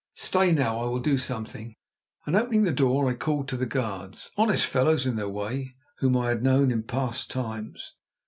Stay now, I will do something," and, opening the door, I called to the guards, honest fellows in their way, whom I had known in past times.